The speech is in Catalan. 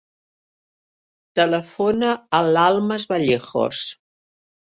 Telefona a l'Almas Vallejos.